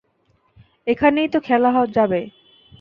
এখানেই তো খেলা যাবে।